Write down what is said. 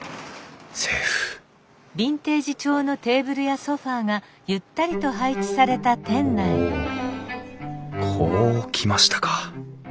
セーフおこう来ましたか。